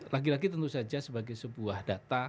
lagi lagi tentu saja sebagai sebuah data